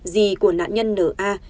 dì của nạn nhân n a